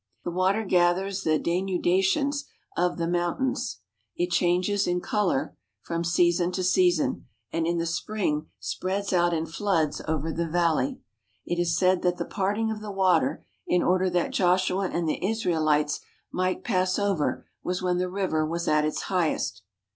The water gathers the denudations of the mountains. It changes in colour from season to season, and in the spring spreads out in floods over the valley. It is said that the parting of the water in order that Joshua and the Israelites might pass over was when the river was at its highest.